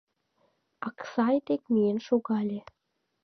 Аксай дек миен шогале.